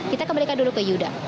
kita kembalikan dulu ke yuda